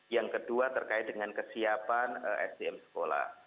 yang kedua terkait dengan kesiapan sdm sekolah